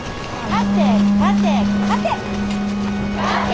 勝て勝て勝て。